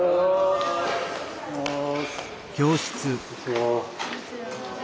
こんにちは。